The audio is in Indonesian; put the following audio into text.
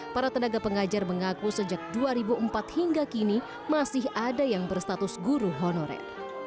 para tenaga pengajar mengaku sejak dua ribu empat hingga kini masih ada yang berstatus guru honorer